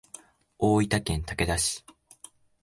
大分県竹田市